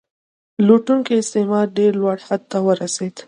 لوټونکی استثمار ډیر لوړ حد ته ورسید.